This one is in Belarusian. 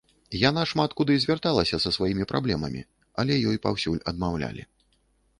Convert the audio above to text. Яна шмат куды звярталася са сваімі праблемамі, але ёй паўсюль адмаўлялі.